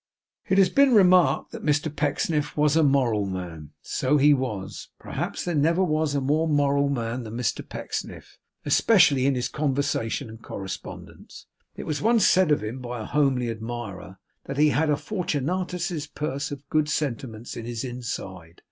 It has been remarked that Mr Pecksniff was a moral man. So he was. Perhaps there never was a more moral man than Mr Pecksniff, especially in his conversation and correspondence. It was once said of him by a homely admirer, that he had a Fortunatus's purse of good sentiments in his inside.